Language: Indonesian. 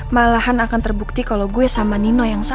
malahan akan terbukti kalau gue sama nino tetap ke panti asuhan